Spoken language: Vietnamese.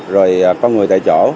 rồi con người tại chỗ